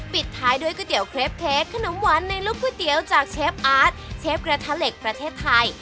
ปิดท้ายด้วยก๋วเครปเค้กขนมหวานในลูกก๋วยเตี๋ยวจากเชฟอาร์ตเชฟกระทะเหล็กประเทศไทย